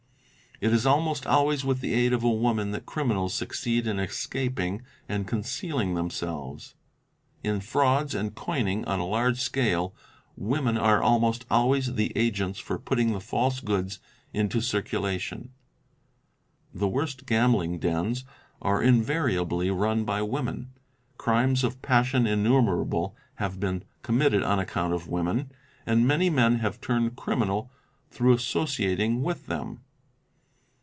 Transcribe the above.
It is almost always with the aid of a woman that criminals succeed in escaping and concealing themselves. In frauds and coming on a large scale, women are almost always the agents for putting the false goods into circulation. The worst gambling dens are invariably run by women, crimes of passion innumerable have been conunitted on account of women, and many men have turned criminal through associating with them.